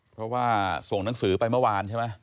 เพราะว่าส่งหนังสือไปเมื่อวานใช่ไหม